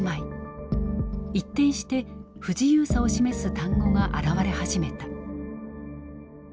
一転して不自由さを示す単語が現れ始めた。